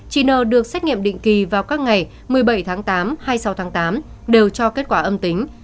chị n được xét nghiệm định kỳ vào các ngày một mươi bảy tháng tám hai mươi sáu tháng tám đều cho kết quả âm tính